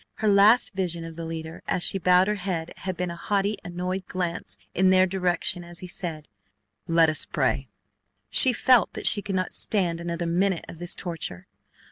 Her last vision of the leader as she bowed her head had been a haughty, annoyed glance in their direction as he said: "Let us pray." She felt that she could not stand another minute of this torture.